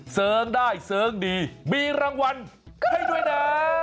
เสิร์งได้เสริงดีมีรางวัลให้ด้วยนะ